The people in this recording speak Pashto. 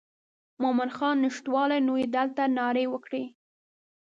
مومن خان نشتوالی نو یې دلته نارې وکړې.